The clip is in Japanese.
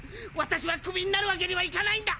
私はクビになるわけにはいかないんだ！